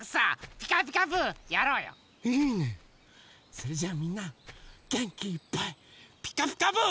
それじゃあみんなげんきいっぱい「ピカピカブ！」。